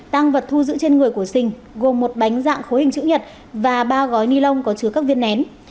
tăng vật thu giữ trên người của sình gồm một bánh dạng khối hình chữ nhật và ba gói ni lông có chứa các viên nén